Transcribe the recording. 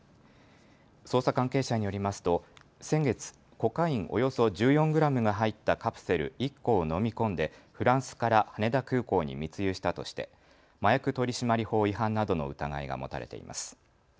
捜査関係者によりますと先月、コカインおよそ１４グラムが入ったカプセル１個を飲み込んでフランスから羽田空港に密輸したとして麻薬取締法違反などの疑いが持たれています。